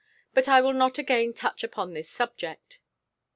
But I will not again touch upon this subject.